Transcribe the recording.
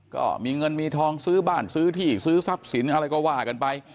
ก็มีเงินมีทองซื้อบ้านซื้อที่ซื้อทรัพย์สินอะไรก็ว่ากันไป